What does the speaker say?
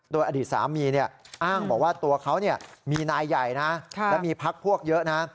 โดยอดีตสามีอ้างบอกว่าตัวเขามีนายใหญ่นะและมีพักพวกเยอะนะ